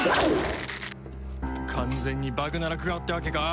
完全にバグナラク側ってわけか。